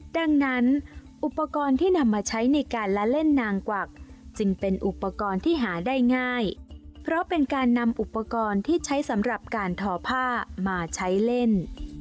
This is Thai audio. ดังนั้นอุปกรณ์ที่นำมาใช้ในการละเล่นนางกวักจึงเป็นอุปกรณ์ที่หาได้ง่ายเพราะเป็นการนำอุปกรณ์ที่ใช้สำหรับการทอผ้ามาใช้เล่น